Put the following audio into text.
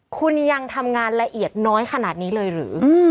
คุณยังทำงานละเอียดน้อยขนาดนี้เลยหรือ